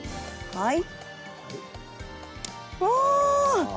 はい。